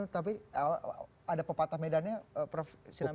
tapi ada pepatah medannya prof silakan